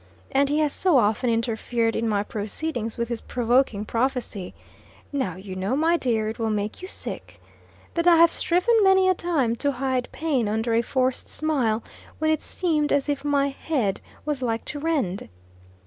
And he has so often interfered in my proceedings with his provoking prophecy, "Now, you know, my dear, it will make you sick," that I have striven many a time to hide pain under a forced smile, when it seemed as if "my head was like to rend."